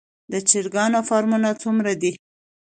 د چرګانو فارمونه څومره دي؟